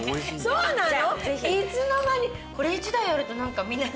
そうなの？